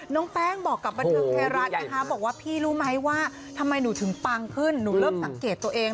น้องแป้งบอกกับบันเทิงไทยรัฐนะคะบอกว่าพี่รู้ไหมว่าทำไมหนูถึงปังขึ้นหนูเริ่มสังเกตตัวเอง